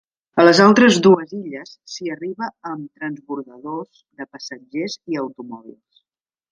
A les altres dues illes s'hi arriba amb transbordadors de passatgers i automòbils.